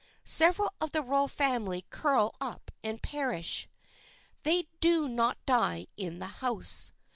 Several of the royal family curl up and perish. They do not die in the house.